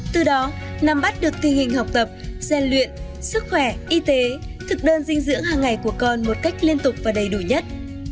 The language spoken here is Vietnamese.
từ đó nắm bắt được thi hình học tập gian luyện sức khỏe y tế thực đơn dinh dưỡng hàng ngày của con một cách liên tục và đầy đủ nhất